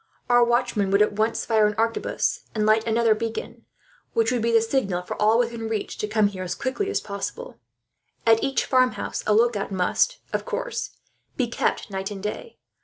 Our watchman would, at once, fire an arquebus and light another beacon; which would be the signal for all within reach to come here, as quickly as possible. "At each farmhouse a lookout must, of course, be kept night and day.